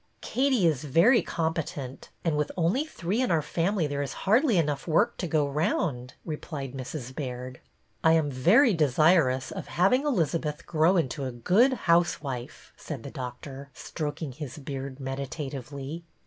" Katie is very competent, and with only three in our family there is hardly enough work to go round," replied Mrs. Baird. '' I am very desirous of having Elizabeth grow into a good housewife," said the doctor, stroking his beard meditatively.